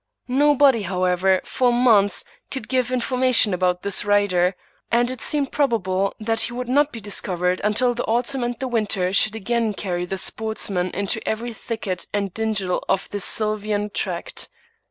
Nobody, however, for months could give information about his rider ; and it seemed prob able that he would not be discovered until the autumn and the winter should again carry the sportsman into every thicket and dingle of this sylvan tract.